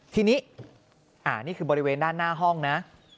ทีนี้นี่คือบริเวณด้านหน้าห้องนะ